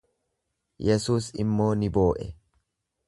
Yesuus immoo ni boo'e.